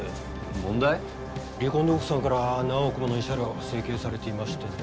離婚で奥さんから何億もの慰謝料を請求されていましてね。